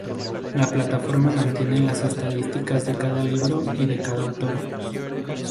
La plataforma mantiene las estadísticas de cada libro y de cada autor.